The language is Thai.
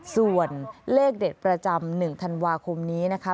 ส่วนเลขเด็ดประจำ๑ธันวาคมนี้นะคะ